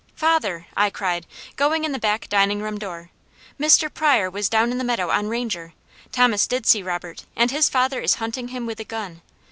"Father," I cried, going in the back dining room door. "Mr. Pryor was down in the meadow on Ranger. Thomas did see Robert, and his father is hunting him with a gun.